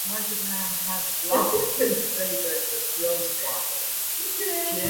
Marzipan has long been flavoured with rose water.